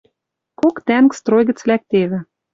Кок тӓнг строй гӹц лӓктевӹ.